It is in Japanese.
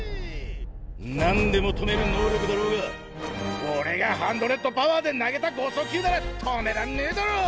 何でも止める能力だろうが俺がハンドレッドパワーで投げた剛速球なら止めらんねえだろ！